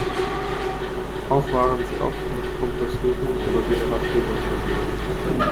Auch waren sie oft mit Kompressoren oder Generatoren versehen.